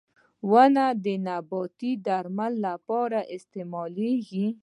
• ونه د نباتي درملو لپاره استعمالېږي.